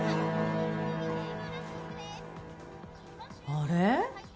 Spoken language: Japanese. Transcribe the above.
あれ？